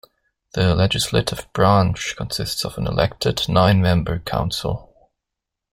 The legislative branch consists of an elected nine-member council.